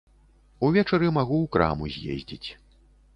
Увечары магу ў краму з'ездзіць.